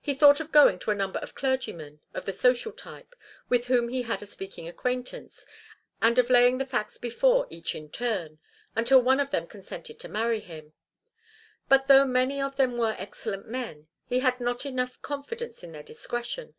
He thought of going to a number of clergymen, of the social type, with whom he had a speaking acquaintance, and of laying the facts before each in turn, until one of them consented to marry him. But though many of them were excellent men, he had not enough confidence in their discretion.